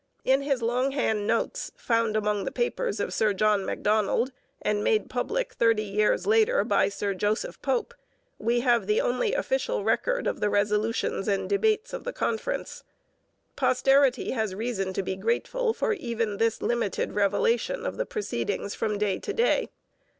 In his longhand notes, found among the papers of Sir John Macdonald, and made public thirty years later by Sir Joseph Pope, we have the only official record of the resolutions and debates of the conference. Posterity has reason to be grateful for even this limited revelation of the proceedings from day to day.